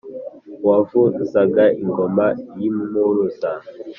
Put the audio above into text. Uwavuzaga ingoma y'Impuruza